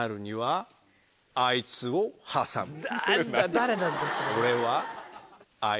誰なんだそれ。